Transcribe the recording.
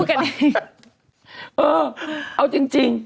เออเอาจริง